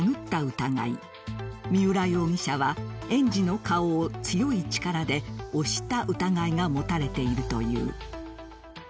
疑い三浦容疑者は園児の顔を強い力で押した疑いが持たれているという。